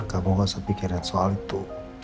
kamu gak usah pikirin soal itu